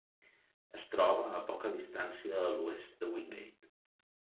Es troba a poca distància a l'oest de Wingate.